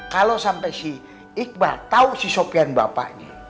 kalau sampe si iqbal tau si sopyan bapaknya